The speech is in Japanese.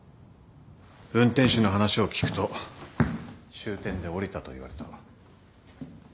運転手の話を聞くと終点で降りたと言われた。